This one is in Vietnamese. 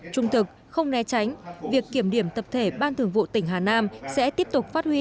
trung thực không né tránh việc kiểm điểm tập thể ban thường vụ tỉnh hà nam sẽ tiếp tục phát huy